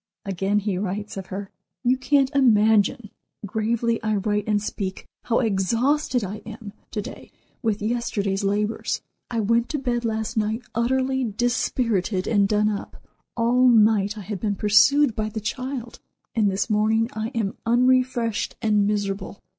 Again he writes of her: "You can't imagine (gravely I write and speak) how exhausted I am to day with yesterday's labors. I went to bed last night utterly dispirited and done up. All night I have been pursued by the child; and this morning I am unrefreshed and miserable.